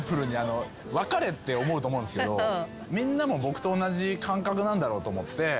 分かれって思うと思うんですけどみんなも僕と同じ感覚なんだろうと思って。